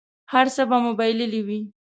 هر څه به مو بایللي وي.